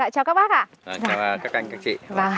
chào các bác chào các anh các chị